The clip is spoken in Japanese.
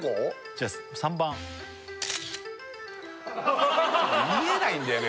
じゃあ３番見えないんだよね